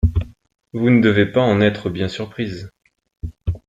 Vous ne devez pas en être bien surprise.